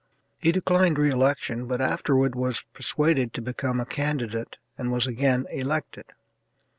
He declined re election, but afterward was persuaded to become a candidate and was again elected.